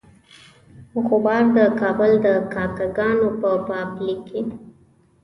غبار د کابل د کاکه ګانو په باب لیکي.